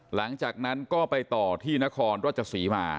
หลังจากนั้นก็ไปต่อที่นครราชศรีมา